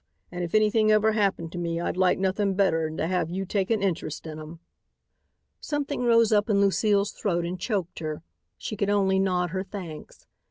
An' if anything ever happened to me, I'd like nothin' better'n to have you take an interest in 'em." Something rose up in Lucile's throat and choked her. She could only nod her thanks.